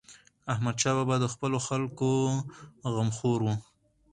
احمدشاه بابا د خپلو خلکو غمخور و.